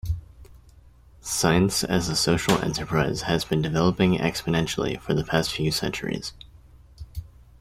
Science as a social enterprise has been developing exponentially for the past few centuries.